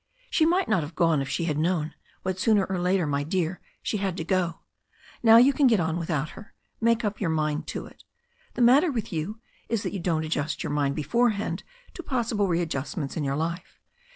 "She might not have gone if she had known, but sooner or later, my dear, she had to go. Now you can get on with out her. Make up your mind to it. The matter with you is that you don't adjust your mind beforehand to possible readjustments in your life.